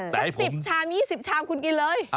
สัก๑๐ชาม๒๐ชามคุณกินเลย